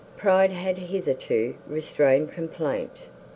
Pride had hitherto restrained complaint.